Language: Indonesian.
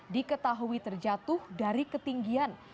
diketahui terjatuh dari ketinggian